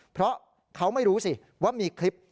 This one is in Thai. เพราะเขาไม่รู้สิว่ามีคลิป